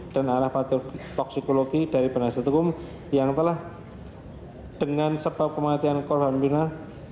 dan arah patologi toksikologi dari penasih tukum yang telah dengan sebab kematian korban minah